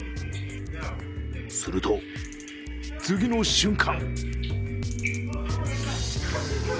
すると、次の瞬間。